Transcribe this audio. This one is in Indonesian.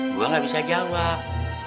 gua gak bisa jawab